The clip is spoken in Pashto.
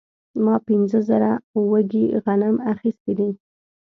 ما پنځه زره وږي غنم اخیستي دي